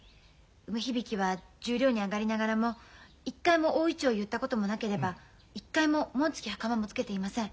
梅響は十両に上がりながらも一回も大銀杏を結ったこともなければ一回も紋付き袴もつけていません。